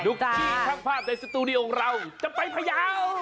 ดุขี้ท่านภาพในสตูดิโอเราจะไปพายาว